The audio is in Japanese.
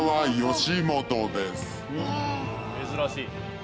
珍しい。